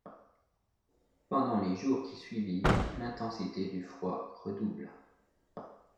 Pendant les jours qui suivirent, l’intensité du froid redoubla.